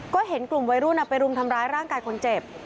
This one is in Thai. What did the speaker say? ก็เห็นกลุ่มวัยรุ่นไปรุมทำร้ายร่างกายคนเจ็บ